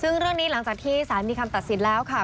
ซึ่งเรื่องนี้หลังจากที่สารมีคำตัดสินแล้วค่ะ